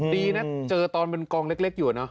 ดีนะเจอตอนเป็นกองเล็กอยู่น่ะ